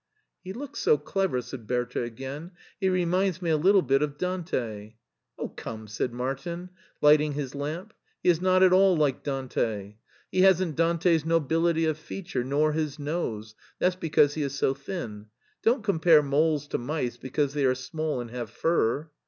" He looks so clever," said Bertha again ;" he re minds me a little bit of Dante." " Oh, come," said Martin, lighting his lamp, " he is not at all like Dante. He hasn't Dante's nobility of feature, nor his nose; that's because he is so thin. Don't compare moles to mice because they are small and have fur."